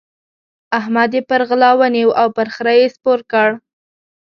احمد يې پر غلا ونيو او پر خره يې سپور کړ.